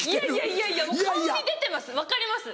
いやいやいやいや顔に出てます